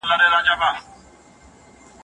د جام زړه د انګورتاک په وینو رنګ شو